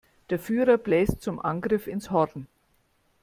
Der Führer bläst zum Angriff ins Horn.